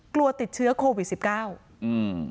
กลัวติดเชื้อโควิดสิบเก้าอืม